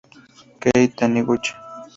Kei Taniguchi